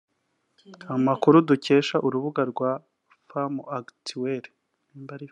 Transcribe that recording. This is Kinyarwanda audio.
Amakuru dukesha urubuga rwa femme actuelle